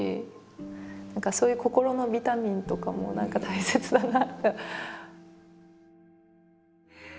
そういう心のビタミンとかも何か大切だな。